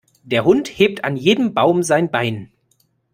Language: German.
Der Hund hebt an jedem Baum sein Bein.